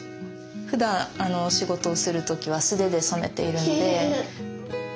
ふだん仕事をする時は素手で染めているので。